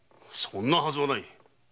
そんなはずはない。